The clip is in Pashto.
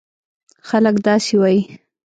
خلک داسې وایي: